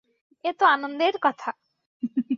এ তো আনন্দের কথা।